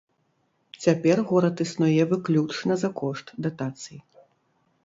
Цяпер горад існуе выключна за кошт датацый.